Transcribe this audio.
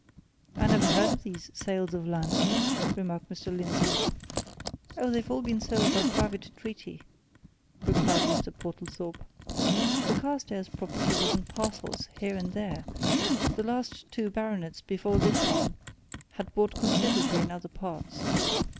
"I never heard of these sales of land," remarked Mr. Lindsey. "Oh, they've all been sold by private treaty," replied Mr. Portlethorpe. "The Carstairs property was in parcels, here and there the last two baronets before this one had bought considerably in other parts.